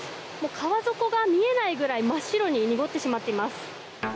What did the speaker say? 川底が見えないくらい真っ白に濁ってしまっています。